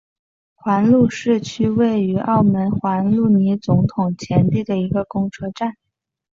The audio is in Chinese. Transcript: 路环市区位于澳门路环恩尼斯总统前地的一个公车站。